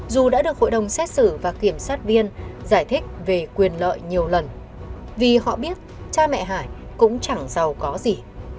dù đã được hội đồng xét xử và kiểm sát viên giải thích về quyền lợi nhiều lần vì họ biết cha mẹ hải cũng chẳng giàu có gì